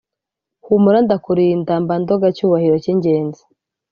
humura ndakurinda mbandoga cyubahiro cyingenzi"